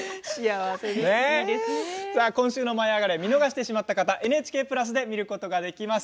今週の「舞いあがれ！」を見逃してしまった方ＮＨＫプラスで見ることができます。